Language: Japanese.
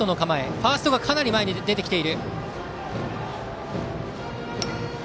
ファーストがかなり前に出てきている。